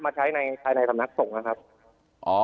มาใช้ในธรรมนักส่งนะครับ